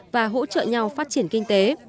và hỗ trợ nhau phát triển kinh tế